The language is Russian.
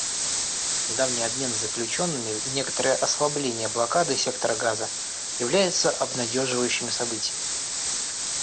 Недавний обмен заключенными и некоторое ослабление блокады сектора Газа являются обнадеживающими событиями.